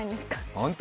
本当？